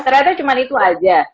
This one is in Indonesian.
ternyata cuma itu aja